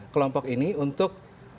kelompok ini untuk